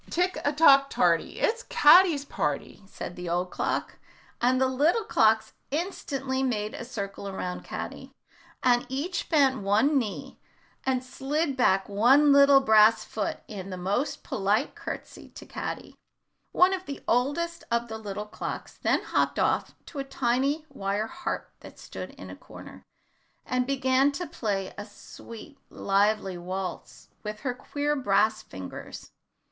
"Tick a tock tarty, It's Caddy's party," said the old clock, and the little clocks instantly made a circle around Caddy, and each bent one knee and slid back one little brass foot in the most polite courtesy to Caddy. One of the oldest of the little clocks then hopped off to a tiny wire harp that stood in a corner, and began to play a sweet lively waltz with her queer brass fingers.